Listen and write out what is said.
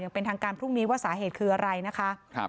เป็นทางการพรุ่งนี้ว่าสาเหตุคืออะไรนะคะ